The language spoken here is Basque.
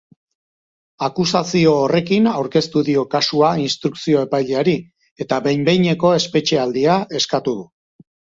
Akusazio horrekin aurkeztu dio kasua instrukzio-epaileari eta behin-behineko espetxealdia eskatu du.